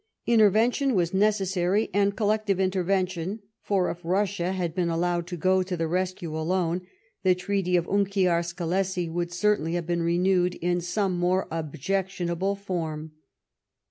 Intervention was necessary, and collective intervention, for if Russia had been allowed to go to the rescue alone, the treaty of Unkiar Skelessi would certainly have been renewed in some more objec* tionable form.